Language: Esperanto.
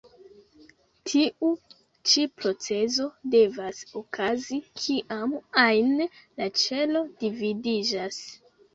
Tiu ĉi procezo devas okazi kiam ajn la ĉelo dividiĝas.